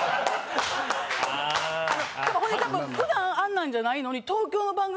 ほんで多分普段あんなんじゃないのに。